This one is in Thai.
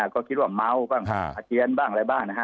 ก็คิดว่าเมาบ้างอาเจียนบ้างอะไรบ้างนะฮะ